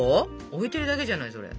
置いているだけじゃないそれ。